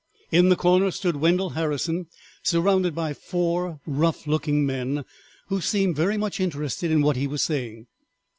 In the corner stood Wendell Harrison surrounded by four rough looking men, who seemed very much interested in what he was saying.